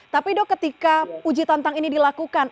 tapi dok ketika uji tantang ini dilakukan